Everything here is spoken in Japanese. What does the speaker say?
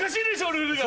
ルールが。